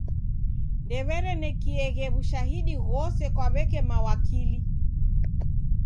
Ndew'erenekieghe w'ushahidi ghose kwa w'eke mawakili.